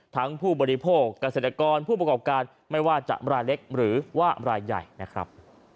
ผู้บริโภคเกษตรกรผู้ประกอบการไม่ว่าจะรายเล็กหรือว่ารายใหญ่นะครับ